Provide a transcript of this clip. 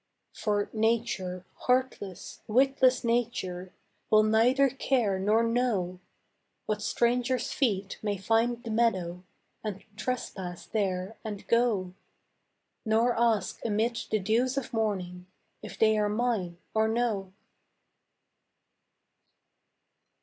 For nature, heartless, witless nature, Will neither care nor know What stranger's feet may find the meadow And trespass there and go, Nor ask amid the dews of morning If they are mine or no.